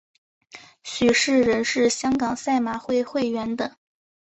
许仕仁是香港赛马会会员等。